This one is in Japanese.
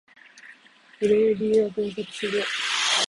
売れる理由を分析する